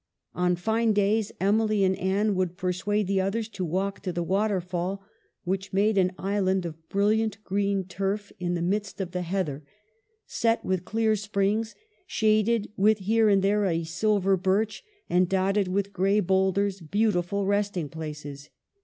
On fine days Emily and Anne would persuade the others to walk to the Waterfall, which made an island of brilliant green turf in the midst of the heather, CHILDHOOD. 6 7 set with clear springs, shaded with here and there a silver birch, and dotted with gray boul ders, beautiful resting places.